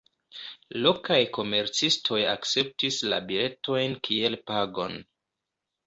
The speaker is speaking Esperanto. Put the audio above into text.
Lokaj komercistoj akceptis la biletojn kiel pagon.